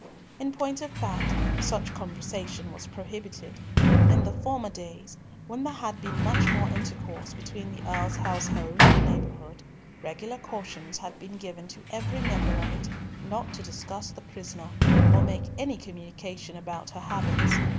In point of fact, such conversation was prohibited. In the former days, when there had been much more intercourse between the Earl's household and the neighbourhood, regular cautions had been given to every member of it not to discuss the prisoner or make any communication about her habits.